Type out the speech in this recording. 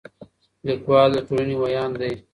ليکوال د ټولنې وياند دی.